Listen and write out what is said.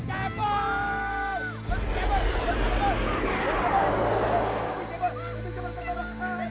hai bahas learning